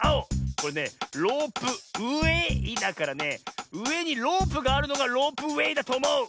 これねロープウエーだからねうえにロープがあるのがロープウエーだとおもう！